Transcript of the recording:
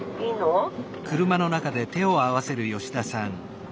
うん。